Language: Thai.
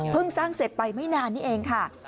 สร้างเสร็จไปไม่นานนี่เองค่ะ